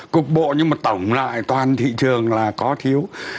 cục bộ nhưng mà tổng lại toàn thị trường là có thiếu